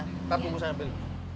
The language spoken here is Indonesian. nanti aku bisa ambil